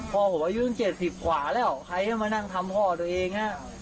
พ่อผมอายุต้นเจ็ดสิบกว่าแล้วใครจะมานั่งทำพ่อตัวเองอ่ะ